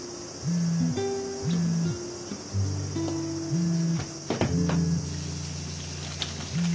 うん。